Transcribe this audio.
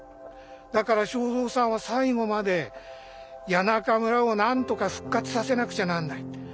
だから正造さんは最後まで谷中村をなんとか復活させなくちゃなんないって。